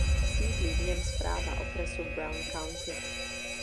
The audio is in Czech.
Sídlí v něm správa okresu Brown County.